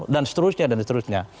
dan seterusnya dan seterusnya